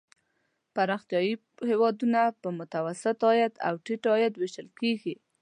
پرمختیايي هېوادونه په متوسط عاید او ټیټ عاید ویشل کیږي.